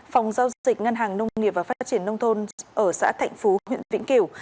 phòng giao dịch ngân hàng nông nghiệp và phát triển nông thôn ở xã thạnh phú huyện vĩnh kiểu